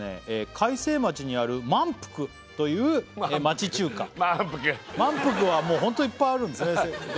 開成町にある万福という町中華万福万福はホントいっぱいあるんですね